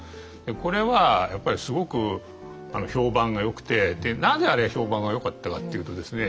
これはやっぱりすごく評判がよくてなぜあれが評判がよかったかっていうとですね